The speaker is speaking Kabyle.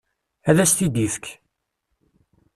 Ad as-t-id-ifek.